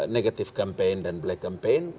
negatif campaign dan black campaign